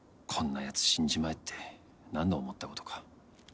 こんなやつ死んじまえって何度思ったことか。